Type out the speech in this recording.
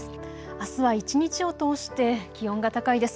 あすは一日を通して気温が高いです。